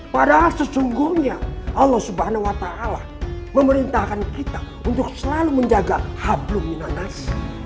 padahal sesungguhnya allah swt memerintahkan kita untuk selalu menjaga hablumina nas